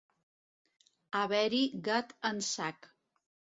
Haver-hi gat en sac.